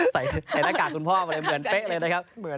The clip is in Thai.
ใส่หน้ากากคุณพ่อมาเลยเหมือนเป๊ะเลยนะครับ